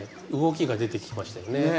動きが出てきましたよね。